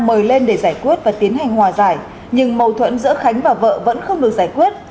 mời lên để giải quyết và tiến hành hòa giải nhưng mâu thuẫn giữa khánh và vợ vẫn không được giải quyết